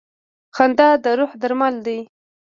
• خندا د روح درمل دی.